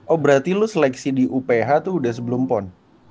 oh berarti lu seleksi di uph tuh udah sebelum pon